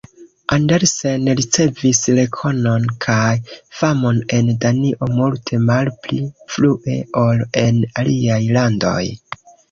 Andersen ricevis rekonon kaj famon en Danio multe malpli frue ol en aliaj landoj.